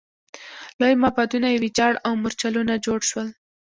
لوی معبدونه یې ویجاړ او مورچلونه جوړ شول.